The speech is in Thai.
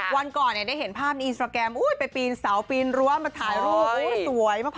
วันก่อนได้เห็นภาพในอินสตราแกรมไปปีนเสาปีนรั้วมาถ่ายรูปสวยมาก